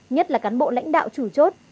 nhất là cán bộ lãnh đạo chủ chốt